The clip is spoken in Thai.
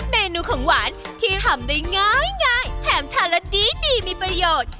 เมนูของหวานที่ทำได้ง่ายแถมทานแล้วดีมีประโยชน์